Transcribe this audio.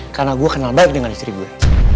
karena gue kenal baik dengan istri gue